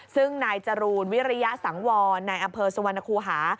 ซึ่งนายจรูนวิริยสังวรนายอำเภอสุวรรณคูหา